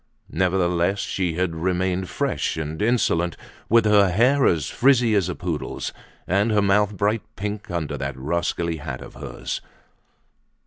Nevertheless she had remained fresh and insolent, with her hair as frizzy as a poodle's, and her mouth bright pink under that rascally hat of hers.